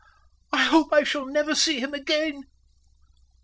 I hope I shall never see him again."